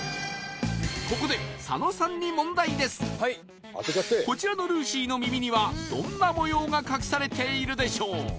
ここでこちらのルーシーの耳にはどんな模様が隠されているでしょう？